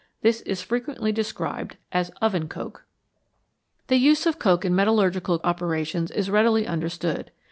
This is frequently described as oven coke. The use of coke in metallurgical operations is readily understood.